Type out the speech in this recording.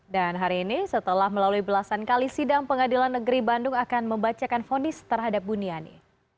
dan hari ini setelah melalui belasan kali sidang pengadilan negeri bandung akan membacakan fonis terhadap buniani